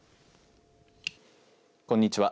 こんにちは。